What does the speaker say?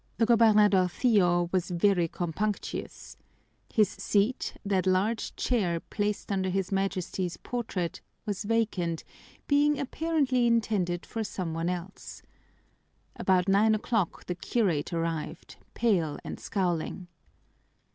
The gobernadorcillo was very compunctious. His seat, that large chair placed under his Majesty's portrait, was vacant, being apparently intended for some one else. About nine o'clock the curate arrived, pale and scowling.